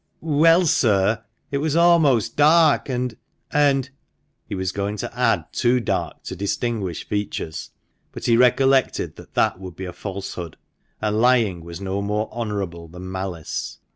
"Well, sir, it was almost dark, and — and" — he was going to add too dark to distinguish features, but he recollected that that would be a falsehood, and lying was no more honourable than malice.